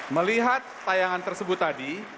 melihat tayangan tersebut tadi